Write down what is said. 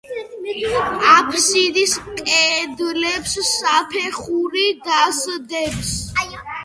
აფსიდის კედლებს საფეხური გასდევს.